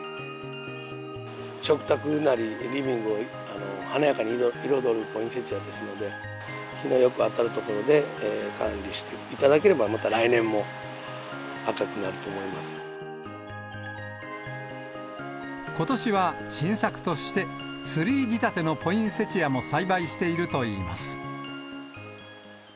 食卓なりリビングを華やかに彩るポインセチアですので、日のよく当たる所で管理していただければ、また来年も赤くなるとことしは新作として、ツリー仕立てのポインセチアも栽培しているといいます。